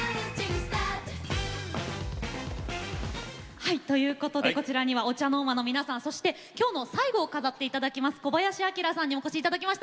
はいということでこちらにはＯＣＨＡＮＯＲＭＡの皆さんそして今日の最後を飾って頂きます小林旭さんにお越し頂きました。